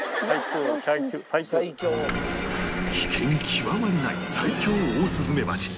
危険極まりない最強オオスズメバチ